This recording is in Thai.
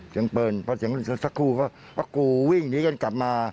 เสียงเปิลเพราะเสียงสักครู่เขากลัววิ่งหนีกันกลับมา